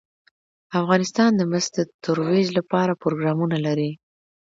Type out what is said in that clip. افغانستان د مس د ترویج لپاره پروګرامونه لري.